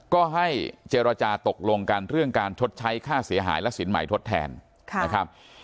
ก็ให้เจรจาตกลงกันเรื่องการชดใช้ค่าเสียหายและสินใหม่ทดแทนนะครับ